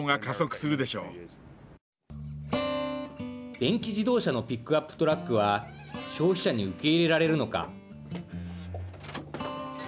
電気自動車のピックアップトラックは消費者に受け入れられるのか。